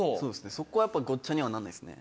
そこはやっぱごっちゃにはならないですね。